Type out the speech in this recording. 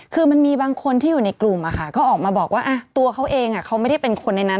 คือมันมีบางคนที่อยู่ในกลุ่มก็ออกมาบอกว่าตัวเขาเองเขาไม่ได้เป็นคนในนั้น